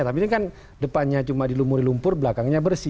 tapi ini kan depannya cuma dilumuri lumpur belakangnya bersih